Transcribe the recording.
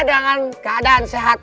dengan keadaan sehat